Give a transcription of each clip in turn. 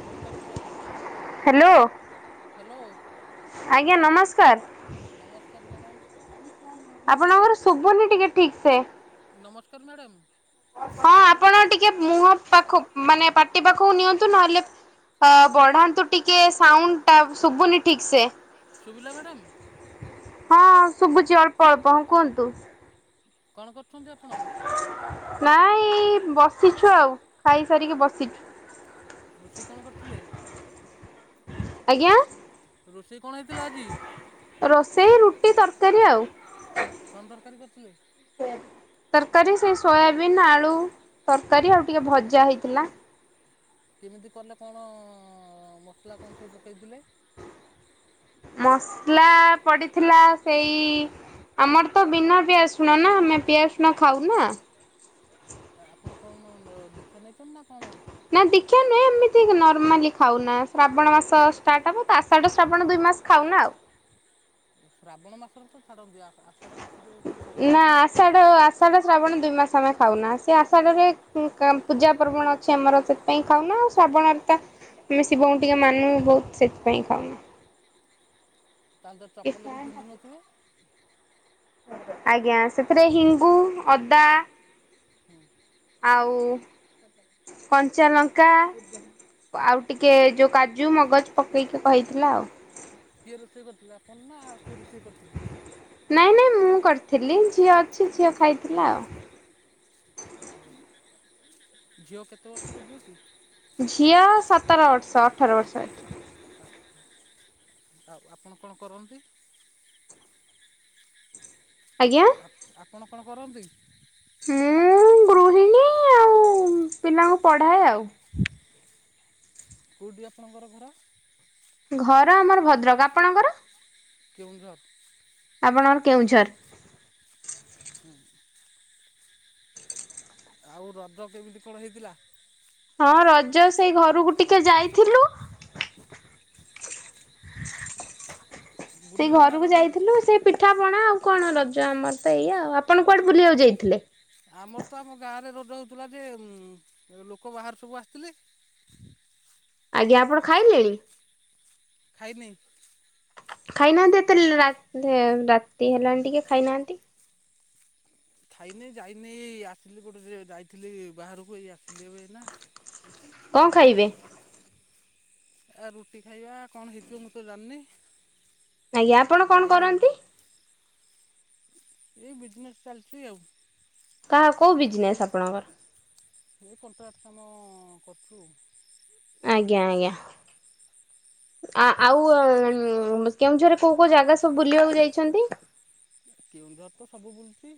ନମସ୍କାର madam. Hello, ଆଜ୍ଞା ନମସ୍କାର। ନମସ୍କାର ମ୍ୟାଡ଼ାମ। ଆପଣଙ୍କର ଶୁଭୁନି ଟିକେ ଠିକସେ। ନମସ୍କାର ମ୍ୟାଡ଼ାମ୍। ହଁ ଆପଣ ଟିକେ ମୁହଁ ପାଖ ମାନେ ପାଟି ପାଖକୁ ନିଅନ୍ତୁ ନହେଲେ ବଢାନ୍ତୁ ଟିକେ ସାଉଣ୍ଡଟା ଶୁଭୁନି ଠିକସେ। ଶୁଭିଲା ମ୍ୟାଡ଼ାମ? ହଁ ଶୁଭୁଛି ଅଳ୍ପ ଅଳ୍ପ, ହଁ କୁହନ୍ତୁ। କଣ କରୁଛନ୍ତି ଆପଣ? ନାଇଁ-ଇ-ଇ ବସିଛୁ ଆଉ, ଖାଇସାରିକି ବସିଛୁ। ରୋଷେଇ କଣ କରିଥିଲେ? ଆଜ୍ଞା? ରୋଷେଇ କଣ ହେଇଥିଲା ଆଜି? ରୋଷେଇ ରୁଟି ତରକାରୀ ଆଉ କଣ ତରକାରୀ କରିଥିଲେ? [inaudible] ତରକାରୀ ସେଇ ସୋୟାବିନ୍ ଆଳୁ ତରକାରୀ ଆଉ ଟିକେ ଭଜା ହେଇଥିଲା। କେମିତି କଲେ କଣ-ଅ-ଅ-ଅ ମସଲା କଣ ସବୁ ପକେଇଥିଲେ? ମସଲା ପଡ଼ିଥିଲା ସେଇ ଆମର ତ ବିନା ପିଆଜ ରସୁଣ ନା, ଆମେ ପିଆଜ ରସୁଣ ଖାଉ ନା ଆପଣ କଣ ଦୀକ୍ଷା ନେଇଛନ୍ତି ନା କଣ? ନା ଦୀକ୍ଷା ନୁହେଁ, ଏମିତି ନର୍ମାଲି ଖାଉନା ଶ୍ରାବଣ ମାସ ଷ୍ଟାର୍ଟ ହବ ତ ଆଷାଢ ଶ୍ରାବଣ ଦୁଇ ମାସ। ଖାଉନା ଆଉ। ଶ୍ରାବଣ ମାସରେ ତ ଛାଡନ୍ତି, ଆଷା ଆଷାଢ ମାସରେ ତ ଛାଡନ୍ତିନି ନା ସେ ଆଷାଢ଼ ଶ୍ରାବଣ ଦୁଇ ମାସ ଆମେ ଖାଉନା, ସେ ଆଷା଼ଢ଼ରେ ପୂଜା ପର୍ବଣ ଅଛି ଆମର ସେ ପାଇଁ ଖାଉନା ଆଉ ଶ୍ରାବଣର ତ ଆମେ ଶିବଙ୍କୁ ଟିକେ ମାନୁ ବହୁତ୍ ସେଥିପାଇଁ ଖାଉନା। ତାହେଲେ ତ ଚପଲ ବି ପିନ୍ଧୁ ନଥିବେ? ଆଜ୍ଞା ସେଥିରେ ହିଙ୍ଗୁ ଅଦା ହୁଁ। ଆଉ କଞ୍ଚାଲଙ୍କା ଆଜ୍ଞା ଆଉ ଟିକ୍ ଟିକେ ଯୋଉ କାଜୁ ମଗଜ ପକେଇକି ହଇଥିଲା ଆଉ। କିଏ ରୋଷେଇ କରିଥିଲା ଆପଣ ନା ଆଉ କିଏ ରୋଷେଇ କରିଥିଲେ? ନାଇଁ ନାଇଁ ମୁଁ କରିଥିଲି ଝିଅ ଅଛି ଝିଅ ଖାଇଥିଲା ଆଉ। ଓହୋଃ, ଝିଅ କେତେ ବର୍ଷର ଝିଅ କି? ଝିଅ ସତର ବର୍ଷ ଅଠର ବର୍ଷ ଏଠି। ଆଚ୍ଛା ଆଉ ଆପଣ କଣ କରନ୍ତି? ଆଜ୍ଞା। [inaudible] ଆପଣ କଣ କରନ୍ତି? ମୁଁ-ଉ-ଉ ଗୃହିଣୀ ଆଉ ପିଲାଙ୍କୁ ପଢ଼ାଏ ଆଉ। କୋଉଠି ଆପଣଙ୍କର ଘର? ଘର ଆମର ଭଦ୍ରକ। ଆପଣଙ୍କର? କେଉଁଝର। ଆପଣଙ୍କର କେଉଁଝର? ହୁଁ। ଆଉ ରଜ କେମିତି କଣ ହେଇଥିଲା? ହଁ ରଜ ସେଇ ଘରକୁ ଟିକେ ଯାଇଥିଲୁ। ସେ ବୁଲିଲ ନା ଘରକୁ ରଜରେ? ଯାଇଥିଲୁ ସେ ପିଠା ପଣା ଆଉ କଣ ରଜ ଆମର ତ ଏୟା ଆଉ ଆପଣ କୁଆଡେ ବୁଲିବାକୁ ଯାଇଥିଲେ? ଆମର ତ ଆମ ଗାଁରେ ରଜ ହଉଥିଲା ଯେ ଲୋକ ବାହାରୁ ସବୁ ଆସିଥିଲେ। [unintelligible] ଆଜ୍ଞା ଆପଣ ଖାଇଲେଣି? ଖାଇନି। ଖାଇନାହାନ୍ତି ଏତେ ଲେ ରା ରାତି ହେଲାଣି ଟିକେ ଖାଇନାହାନ୍ତି? ଖାଇନି ଯାଇନି ଏଇ ଆସିଲି ଗୋଟେ ଯାଇଥିଲି ବାହାରକୁ ଏଇ ଆସିଲି ଏବେ ଏଇନା। କଣ ଖାଇବେ? ଆ ରୁଟି ଖାଇବା କଣ ହେଇଥିବ ମୁଁ ତ ଜାଣିନି। ଆଜ୍ଞା ଆପଣ କଣ ଯାଇନି କରନ୍ତି? ଘରକୁ। ଏଇ ବିଜ୍ ନେସ୍ ଚାଲିଛି ଆଉ। କାହା କୋଉ ବିଜ୍ ନେସ୍ ଆପଣଙ୍କର? ମୁଁ କଣ୍ଟ୍ରାକ୍ଟ କାମ କରୁଛୁ। ଆଜ୍ଞା ଆଜ୍ଞା। ଆ ଆଉ କେଉଁଝରରେ କୋଉ କୋଉ ଜାଗା ସବୁ ବୁଲିବାକୁ ଯାଇଛନ୍ତି? କେଉଁଝର ତ ସବୁ ବୁଲିଚି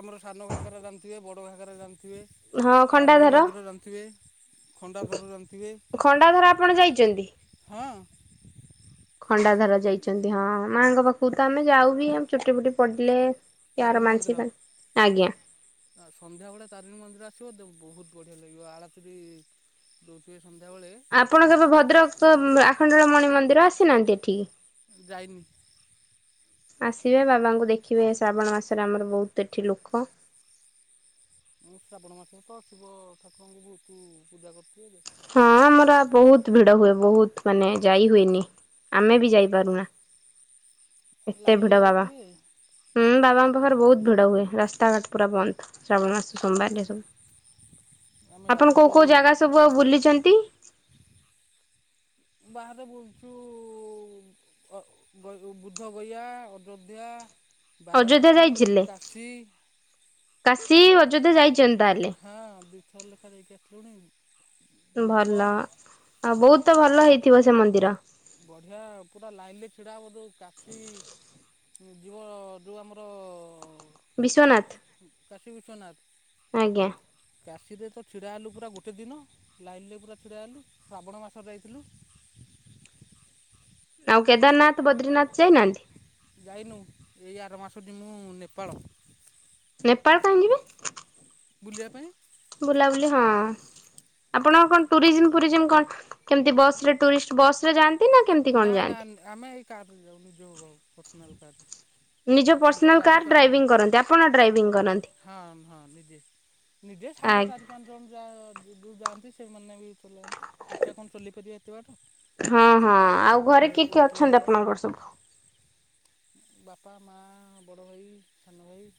ଆମର ସାନ ଘାଗେରା ଜାଣିଥିବେ ବଡ଼ ଘାଗେରା ଜାଣିଥିବେ? ହଁ ତାରିଣୀ ଖଣ୍ଡାଧାର ମନ୍ଦିର ଜାଣିଥିବେ? ଖଣ୍ଡାଧର ଜାଣିଥିବେ ଖଣ୍ଡାଧାର ଆପଣ ଯାଇଛନ୍ତି? ହଁ। ଖଣ୍ଡାଧର ଯାଇଛନ୍ତି ହଁ ମାଆଙ୍କ ପାଖକୁ ତ ଆମେ ଯାଉ ବି ଆ ଚୁଟି ଫୁଟି ପଡ଼ିଲେ। ତାରିଣୀ ମନ୍ଦିର। ଆ ସନ୍ଧ୍ୟାବେଳେ ତାରିଣୀ ମନ୍ଦିର ଆସିବ ବହୁତ ବଢ଼ିଆ ଲାଗିବ ଆଳତୀ ବି। ଦଉଥିବେ ସନ୍ଧ୍ୟାବେଳେ। ଆପଣ କେବେ ଭଦ୍ରକ୍ ଆଖଣ୍ଡଳ ମଣି ମନ୍ଦିର ଆସିନାହାନ୍ତି ଏଠିକି? ଯାଇନି। ଆସିବେ ବାବାଙ୍କୁ ଦେଖିବେ ଶ୍ରାବଣ ମାସରେ ଆମର ବହୁତ ଏଠି ଲୋକ। ମୁଁ ଶ୍ରାବଣ ମାସରେ ତ ଶିବ ଠାକୁରଙ୍କୁ ବହୁତ ପୂଜା କରିଥିବେ। ହଁ ଆମର ବହୁତ ଭିଡ ହୁଏ ବହୁତ ମାନେ ଯାଇ ହୁଏନି। ଆମେ ବି ଯାଇପାରୁନା ଏତେ ଲାଇନରେ ଭିଡ ବାବା। ଯାଉଥିବେ ହୁଁ ବାବାଙ୍କ ପାଖରେ ବହୁତ ଭିଡ ହୁଏ ରାସ୍ତାଘାଟ ପୁରା ବନ୍ଦ ଶ୍ରାବଣ ମାସ ସୋମବାରରେ ସବୁ। ଆମେ ଆପଣ କୋଉ ଯାଇଥିଲୁ କୋଉ ଜାଗା ସବୁ ଆଉ ବୁଲିଛନ୍ତି? ବାହାରେ ବୁଲୁଚୁ ବୁଦ୍ଧଗୟା ଅଯୋଧ୍ୟା। ଅଯୋଧ୍ୟା ବାରାନାସୀ ଯାଇଥିଲେ? କାଶୀ। କାଶୀ ଅଯୋଧ୍ୟା ଯାଇଛନ୍ତି ତାହେଲେ। ହଁ ଦିଥର ଲେଖା ଯାଇକି ଆସିଲୁଣି। ବୁଦ୍ଧ ଭଲ ଆଉ ବହୁତ ଭଲ ହେଇଥିବ ସେ ମନ୍ଦିର? ବଢିଆ ପୁରା ଲାଇନ ରେ ଛିଡା ହବ ଯୋଉ କାଶୀ। ଯିବ ଯୋଉ ଆମର ବିଶ୍ୱନାଥ। କାଶୀ ବିଶ୍ୱନାଥ। ଆଜ୍ଞା। କାଶୀରେ ତ ଛିଡ଼ା ହେଲୁ ପୁରା ଗୋଟେ ଦିନ ଲାଇନରେ ପୁରା ଛିଡ଼ା ହେଲୁ ଶ୍ରାବଣ ମାସରେ ଯାଇଥିଲୁ। ଆଉ କେଦାରନାଥ ବଦ୍ରୀନାଥ ଯାଇନାହାନ୍ତି? ଯାଇନୁ ଏଇ ଆର ମାସ ଯିମୁଁ ନେପାଳ। ନେପାଳ କାହିଁ ଯିବେ? ବୁଲିବା ପାଇଁ। ବୁଲାବୁଲି ହଁ। ଆପଣ କଣ ଟୁରିଜିମ୍ ଫୁରିଜିମ୍ କଣ କେମତି ବସ୍ ରେ ଟୁରିଷ୍ଟ ବସ୍ ରେ ଯାଆନ୍ତି? କେମିତି କଣ ନା ନା ଯାଆନ୍ତି? ଆମେ ଏଇ କାରରେ ଯାଉ ନିଜ ପର୍ସନାଲ୍ କାରରେ। ନିଜ ଏ ସାଙ୍ଗ ପର୍ସନାଲ ଚାରି କାର୍ ପାଞ୍ଚ ଡ୍ରାଇଭିଂ କରନ୍ତି ଆପଣ ଡ୍ରାଇଭିଂ ଜଣ କରନ୍ତି। ହଁ ହଁ ନିଜେ। ନିଜେ ଆ ସାଙ୍ଗ ଚାରି ପାଞ୍ଚ ଜଣ ଯଉ ଯାଆନ୍ତି ସେମାନେ ବି ଚଲାନ୍ତି ଏକା କଣ ଚଲିଇପାରିବେ ଏତେ ବାଟ। ହଁ ହଁ ଆଉ ଘରେ ଦେହ କିଏ କିଏ ୱିକ୍ ଅଛନ୍ତି ଲାଗିବ ଆପଣଙ୍କର ସବୁ? ବାପା, ମା, ବଡ଼ ଭାଇ, ସାନ ଭାଇ।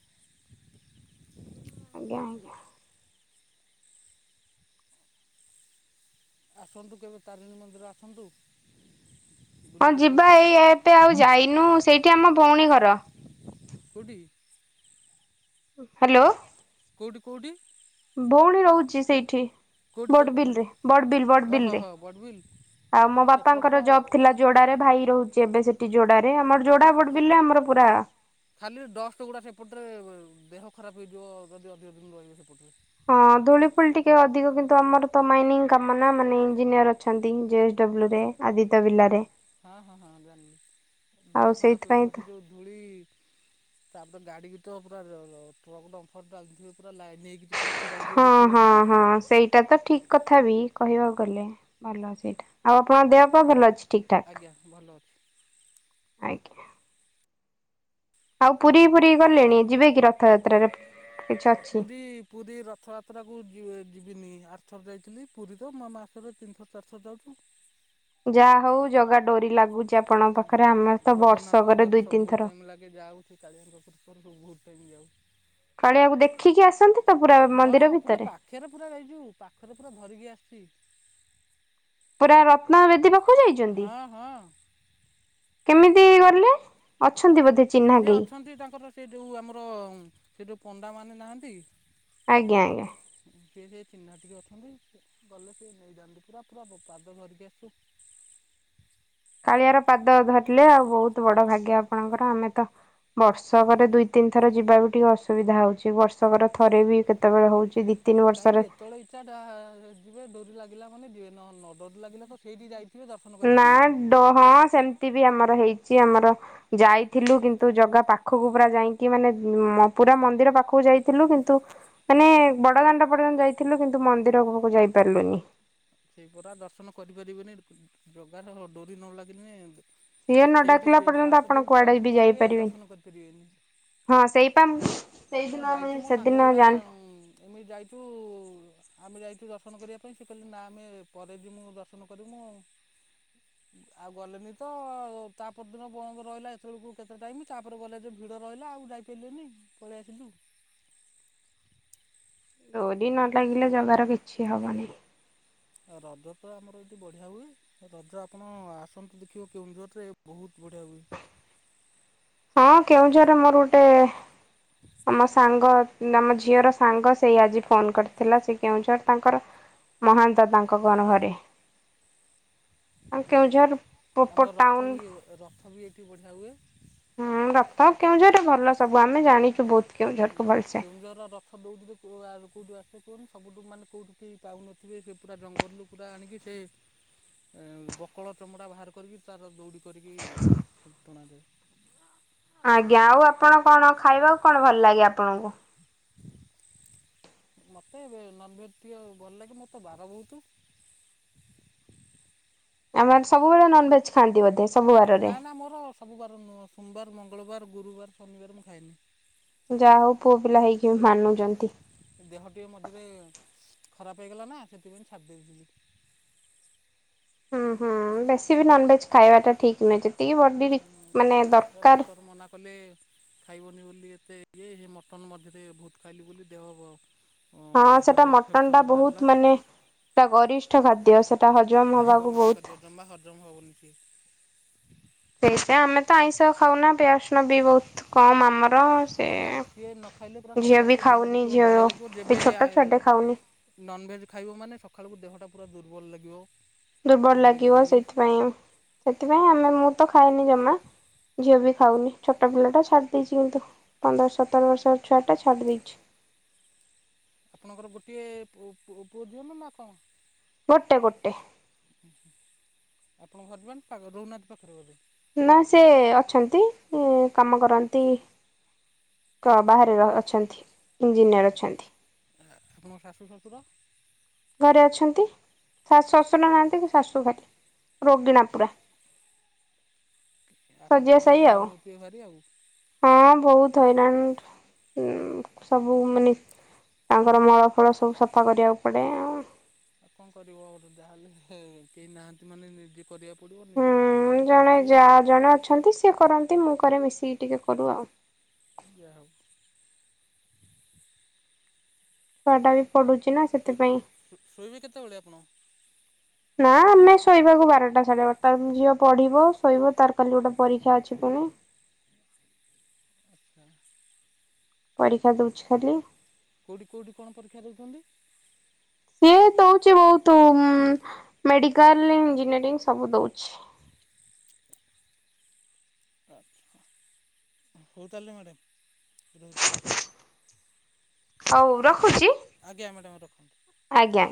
ଆଜ୍ଞା ଆଜ୍ଞା। ଆସନ୍ତୁ କେବେ ତାରିଣୀ ମନ୍ଦିର ଆସନ୍ତୁ। ହଁ ବୁଲିକି ଯିବେ ଯିବା ଏଇ ଏବେ ଆଉ ଯାଇନୁ ସେଇଠି ଆମ ଭଉଣୀ ଘର। କୋଉଠି? ହ୍ୟାଲୋ। କୋଉଠି, କୋଉଠି? ଭଉଣୀ ରହୁଛି ସେଇଠି। ବଡବିଲରେ କେଉଁଠି ବଡ଼ବିଲ, ଓହ ବଡ଼ବିଲ ରେ ହ ବଡ଼ବିଲ ଆଉ ମୋ ସେପଟ ବାପାଙ୍କର ଜବ ଥିଲା ଯୋଡାରେ ଭାଇ ରହୁଛି ଏବେ ସେଠି ଯୋଡାରେ ଆମର ଯୋଡା ତ ବଡବିଲିରେ ଆମର ପୁରା ଖାଲି ଡଷ୍ଟ ଗୁଡ଼ା ସେପଟରେ ଦେହ ଖରାପ ହେଇଯିବ ଯଦି ଅଧିକ ଦିନି ରହିବ ସେପଟରେ। ହଁ ଧୂଳି ଫୁଳି ଟିକେ ଅଧିକ କିନ୍ତୁ ଆମର ତ ମାଇନିଂ କାମ ନା ମାନେ ଇଞ୍ଜିନିୟର ଅଛନ୍ତି ଜେଏସଡବ୍ଲୁ ରେ। ଆଦିତ୍ୟ ବିର୍ଲାରେ। ହଁ, ହଁ, ହଁ ଆଉ ଦେହ ଖରାପ ସେଇଥିପାଇଁ ହେଇଯିବ ତ ସେ ଯୋଉ ଧୂଳି। ତାପରେ ଗାଡିବିତ ପୁରା ଟ୍ରକ୍ ଡମ୍ଫର ଚାଲିଥିବେ ପୁରା ଲାଇନ ହେଇକି। ପୁରା ଛିଡ଼ା ହେଇଥିବ ହଁ ଯେତେବେଳେ ହଁ ଯିବେ। ହଁ ସେଇଟା ତ ଠିକ କଥା ବି କହିବାକୁ ଗଲେ ଭଲ ସେଇଟା ଆଉ ଆପଣଙ୍କ ଦେହ ପା ଭଲ ଅଛି? ଠିକ ଠାକ? ଆଜ୍ଞା ଭଲ ଅଛି? ଆଜ୍ଞା। ଆଉ ପୁରୀ ଫୁରୀ ଗଲେଣି ଯିବେ କି ରଥଯାତ୍ରାରେ? କିଛି ଅଛି। ପୁରୀ ପୁରୀ ରଥଯାତ୍ରାକୁ ଯିବିନି ଆରଥର ଯାଇଥିଲି ପୁରୀ ତ ମାସକୁ ତିନିଥର, ଚାରିଥର ଯାଉଛୁ। ଯାହା ହଉ ଜଗା ଡୋରି ଲାଗୁଛି ଆପଣଙ୍କ ପାଖରେ ଆମର ତ ଜଗନ୍ନାଥଙ୍କ ବର୍ଷକରେ ଡୋରି ଦୁଇ, ସବୁ ତିନି ବହୁତ ଥର ଟାଇମ୍ ଲାଗେ ଯାଉ। କାଳିଆର ଦର୍ଶନ ବହୁତ୍ ଟାଇମ୍ ଯାଉ। କାଳିଆକୁ ଦେଖିକି ଆସନ୍ତି ତ ପୁରା ମନ୍ଦିର ଭିତରେ? ଖରେ ପୁରା ଏଇଯଉ ପାଖରେ ପୁରା ଧରିକି ଆସିଛି। ପୁରା ରତ୍ନ ବେଦୀ ପାଖକୁ ଯାଇଛନ୍ତି, ହଁ ହଁ କେମିତି ଗଲେ? ଅଛନ୍ତି ବୋଧେ ଚିହ୍ନା? ସିଏ କେହି ଅଛନ୍ତି ତାଙ୍କର ସେ ଯଉ ଆମର ସେ ଯଉ ପଣ୍ଡା ମାନେ ନାହାଁନ୍ତି। ଆଜ୍ଞା ଆଜ୍ଞା। ଯିଏ ସେ ଚିହ୍ନା ଟିକେ ଅଛନ୍ତି ଗଲେ ସିଏ ନେଇଯାଆନ୍ତି ପୁରା ପୁରା ପାଦ ଧରିକି ଆସିଥିଲୁ। କାଳିଆର ପାଦ ଧରିଲେ ଆଉ ବହୁତ ବଡ ଭାଗ୍ୟ ଆପଣଙ୍କର ଆମେ ତ ବର୍ଷକରେ ଦୁଇ ତିନି ଥର ଯିବା ବି ଟିକେ ଅସୁବିଧା ହଉଛି ବର୍ଷକର ଥରେ ବି କେତେବେଳେ ହଉଛି ତିନି କାହିଁ ବର୍ଷରେ ଯେତେବେଳେ ଇଛା ଯିବେ ଡୋରି ଲାଗିଲା ମାନେ ଯିବେ ନ ନ ଡୋରି ଲାଗିଲା କେହି ସେଇଠି ଯାଇ ନା ଡ ହଁ ସେମିତି ବି ଆମର ହେଇଛି ଆମର ଯାଇଥିଲୁ କିନ୍ତୁ ଜଗା ପାଖକୁ ପୁରା ଯାଇକି ମାନେ ପୁରା ମନ୍ଦିର ପାଖକୁ ଯାଇଥିଲୁ କିନ୍ତୁ ମାନେ ବଡ ଦାଣ୍ଡ ପର୍ଯ୍ୟନ୍ତ ଯାଇଥିଲୁ କିନ୍ତୁ ମନ୍ଦିର ମୁଁହକୁ ଯାଇପାରିଲୁନି। ସେଇ ପରା ଦର୍ଶନ କରିପାରିବେନି ଜଗାର ଡୋରି ନ ଲାଗିନେ ସିଏ ନ ସେଇଠି ଡାକିଲା ପର୍ଯ୍ୟନ୍ତ ପାଞ୍ଚ ଆପଣ ଦିନି ଛଅ କୁଆଡେ ଦିନି ବି ରହିବେ ଯାଇପାରିବେନି। ଦର୍ଶନ କରିପାରିବେନି। ହଁ ସେଇପା ସେଇଦିନ ଆମେ ଯାଇଛୁ ମୋ ସାଙ୍ଗ ସେଦିନ ଗୁଡା ଜାଣିଲୁ ଏମିତି ଯାଇଛୁ ଆମେ ଯାଇଛୁ ଦର୍ଶନ କରିବା ପାଇଁ ସେ କହିଲେ ନା ଆମେ ପରେ ଯିମୁ ଦର୍ଶନ କରିମୁ ଆଉ ଗଲେନି ତ ତା ପରଦିନ ବନ୍ଦ ରହିଲା ଏତେବେଳକୁ କେତେ ଟାଇମ ତାପରେ ଗଲେ ଯେ ଭିଡ଼ ରହିଲା ଆଉ ଯାଇ ପାଇଲେନି ପଳେଇ ଆସିଲୁ। ଡୋରି ନ ଲାଗିଲେ ଜଗାର କିଛି ହବନି। ରଜ ତ ଆମର ଏଠି ବଢ଼ିଆ ହୁଏ। ରଜ ଆପଣ ଆସନ୍ତୁ ଦେଖିବେ କେଉଁଝରରେ ବହୁତ ବଢ଼ିଆ ହୁଏ। ହଁ କେଉଁଝର ରେ ମୋର ଗୋଟେ। ମୋ ସାଙ୍ଗ ଆମ ଝିଅର ସାଙ୍ଗ ସେଇ ଆଜି ଫୋନ କରିଥିଲା ସେ କେଉଁଝର୍ ତାଙ୍କର। ମହାନ୍ତ ତାଙ୍କ କଣ ଘରେ। ଆଉ ହୁଁ କେଉଁଝର ଉଁ ପ୍ରପର ତମର ରଥ ଟାଉନ ବି ରଥ ବି ଏଠି ବଢ଼ିଆ ହୁଏ। ହୁଁ ରଥ କେଉଁଝରରେ ଭଲ ସବୁ ଆମେ ଜାଣିଛୁ ବହୁତ କେଉଁଝରକୁୁ ଭଲସେ। ଜର ର ସବୁ [unintelligible] କଉଠୁ ଆସେ କୁହନି ସବୁଠୁ ମାନେ କୋଉଠି କେହି ପାଉନଥିବେ ସେ ପୁରା ଜଙ୍ଗଲରୁ। ପୁରା ଆଣିକି ସେ ଏଁ ବକଳ ଚମଡ଼ା ବାହାର କରିକି ତାର ଦଉଡ଼ି। କରିକି ଟ ଟଣାଯାଏ। ଆଜ୍ଞା ଆଉ ଆପଣ କଣ ଖାଇବାକୁ କଣ ଭଲ ଲାଗେ ଆପଣଙ୍କୁ? ମତେ ଏବେ ନନ୍ ଭେଜ୍ ଟିକେ ଭଲ ଲାଗେ ମୋର ତ ବାର ବହୁତୁ। [unintelligible] ସବୁବେଳେ ନନଭେଜ୍। ଖାନ୍ତି ବୋଧେ ସବୁ ବାରରେ ନା ନା ମୋର ସବୁ ବାର ନୁଅ ସୋମବାର, ମଙ୍ଗଳବାର, ଗୁରୁବାର, ଶନିବାର ମୁଁ ଖାଏନି। ଯାଆ ହଉ ପୁଅ ପିଲା ହେଇକି ବି ମାନୁଚନ୍ତି। ଦେହ ଟିକେ ମଝିରେ ଖରାପ ହେଇଗଲା ନା ସେଥିପାଇଁ ଛାଡି ଦେଇଥିଲି। ହୁଁ ହୁଁ ବେଶୀ ବି ନନଭେଜ୍ ଖାଇବାଟା ଠିକ୍ ନୁଏ ଯେତିକି ବଡି ମାନେ ଏ ଦରକାର। ଡକ୍ଟର ମନା କଲେ। ଖାଇବନି ବୋଲି ଏତେ ଇଏ ସେ ମଟନ୍ ମଝିରେ ବହୁତ ଖାଇଲି ବୋଲି ଦେହ ବ ହଁ ସେଟା ମଟନ ଟା ବହୁତ ମାନେ। ଟା ଗରିଷ୍ଠ ଖାଦ୍ୟ ସେଟା ହଜମ ଭାରି ହବାକୁ ଗରିବ ବହୁତ ଖାଦ୍ୟ ଜମା ହଜମ ହବନି ସିଏ। ସେଇଥି ପାଇଁ ଆମେ ତ ଆଇଁଷ ଖାଉନା ପିଆଜ ନ ବି ବହୁତ କମ ଆମର ସେ ବଢ଼ିଆ ସିଏ ନ ଖାଇଲେ ପୁରା ଝିଅ ବି ସକାଳକୁ ଦେହ ଖାଉନି ଦେଖିବ ଝିଅ ବଢ଼ିଆ ଲାଗିବ ଯେବେ ଛୋଟ ଛୁଆ ଟେ। ଖାଉନି। ନନଭେଜ୍ ଖାଇବ ମାନେ ସଖାଳକୁ ଦେହଟା ପୁରା ଦୁର୍ବଳ ଲାଗିବ। ଦୁର୍ବଳ ଭଲ ଲାଗିବ ଲାଗିବନି ସେଇଥିପାଇଁ ସେଥିପାଇଁ ଆମେ ମୁଁ ତ ଖାଏନି ଜମା ଝିଅ ବି ଖାଉନି। ଛୋଟ ପିଲାଟା ଛାଡ଼ି ଦେଇଚି କିନ୍ତୁ ପନ୍ଦର ସତର ବର୍ଷର ଛୁଆଟା ଛାଡ଼ି ଦେଇଚି। ଆପଣଙ୍କର ଗୋଟିଏ ପୁ ପୁ ପୁଅ ଝିଅ ନା ନା କଣ? ଗୋଟେ ଗୋଟେ। ହୁଁ ହୁଁ ଆପଣଙ୍କ ହଜବେଣ୍ଡ ପା ରହୁ ନାହାନ୍ତି ପାଖରେ ବୋଧେ। ନା ସେ ଅଛନ୍ତି ଏ କାମ କରନ୍ତି। କ ବାହାରେ ର ଅଛନ୍ତି। ଉଁ ଇଞ୍ଜିନିୟର ହୁଁ ଅଛନ୍ତି ଆ ଆପଣଙ୍କ ଶାଶୁ ଶ୍ୱଶୁର। ଘରେ ଅଛନ୍ତି ଶା ଶଶୁନ ନାହାନ୍ତି ଶାଶୁ ଖାଲି ରୋଗୀଣା ଏ ପୁରା। ଆପଣ ଶଯ୍ୟା ତାହେଲେ ସାଇ ଆଉ। ହଇରାଣ ହେଉଥିବେ ଭାରି ଆଉ ହଁ ବହୁତ ହଇରାଣ ଉଁ ସବୁ ମାନେ। ତାଙ୍କର ମଳ ଫଳ ସବୁ ସଫା କରିବାକୁ ପଡେ। ଆଉ କଣ କରିବ ଯାହା ହେଲେ ହେ କେଇ ନାହାନ୍ତି ମାନେ ନିଜେ କରିଆ ପଡ଼ିବ ନିଜ ମାଆ ଭଳିଆ ହୁଁ ଦେଖିବାକୁ ଜଣେ ପଡ଼ିବ। ଯା ଜଣେ ଅଛନ୍ତି ସିଏ କରନ୍ତି ମୁଁ କରେ ମିଶିକି ଟିକେ କରୁ ଆଉ। ଯା ହଉ। ଛୁଆ ଟା ବି ପଡୁଛି ନା। ଫୁ ସେଥିପାଇଁ ଶୋ ଶୋଇବେ କେତେବେଳେ ଆପଣ? ନା ଆମେ ଶୋଇବାକୁ ବାରଟା ସାଢେ ବାରଟା ଝିଅ ପଢିବ ଶୋଇବ ତାର କାଲି ଗୋଟେ ପରୀକ୍ଷା ଅଛି ପୁଣି। ଆଚ୍ଛା। ପରୀକ୍ଷା ଦୋଉଚି ଖାଲି କୋଉଠି କୋଉଠି କଣ ପରୀକ୍ଷା ଦେଉଛନ୍ତି? ସିଏ ଦୋଉଚି ବୋହୁତ ମେଡିକାଲ୍ ଇଞ୍ଜିନିୟରିଂ ସବୁ ଦୋଉଚି। ଆଚ୍ଛା ହୋଉ ତାହେଲେ ମ୍ୟାଡ଼ମ୍ ରହୁଚି। ହୋଉ ରଖୁଚି। ଆଜ୍ଞା, ମ୍ୟାଡ଼ାମ୍ ରଖନ୍ତୁ। ଆଜ୍ଞା।